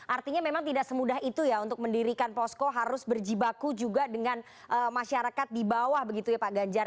artinya memang tidak semudah itu ya untuk mendirikan posko harus berjibaku juga dengan masyarakat di bawah begitu ya pak ganjar